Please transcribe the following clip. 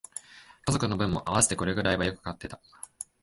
家族の分も合わせてこれくらいはよく買ってた